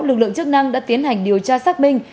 lực lượng chức năng đã tiến hành điều tra xác minh